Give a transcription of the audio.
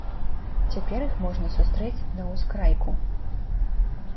Цяпер іх можна сустрэць на ускрайку.